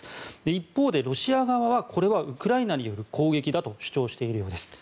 一方で、ロシア側はこれはウクライナによる攻撃だと主張しているようです。